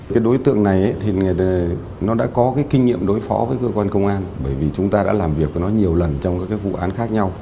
cái đối tượng này thì nó đã có cái kinh nghiệm đối phó với cơ quan công an bởi vì chúng ta đã làm việc với nó nhiều lần trong các vụ án khác nhau